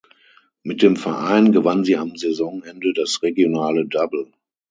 Mit dem Verein gewann sie am Saisonende das regionale Double.